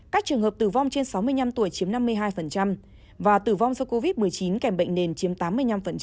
các trường hợp tử vong trên sáu mươi năm tuổi chiếm năm mươi hai và tử vong do covid một mươi chín kèm bệnh nền chiếm tám mươi năm